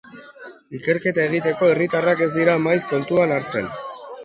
Ikerketa egiteko herritarrak ez dira maiz kontuan hartzen.